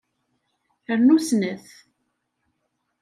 Rnu snat.